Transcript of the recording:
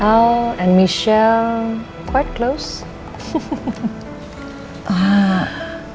al dan michelle cukup dekat